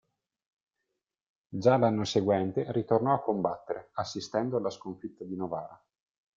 Già l'anno seguente ritornò a combattere, assistendo alla sconfitta di Novara.